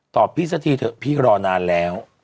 พี่สักทีเถอะพี่รอนานแล้ว